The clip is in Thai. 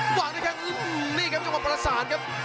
วางด้วยครับนี่ครับจังหวะประสานครับ